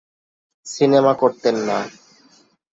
Cinema করতেন না।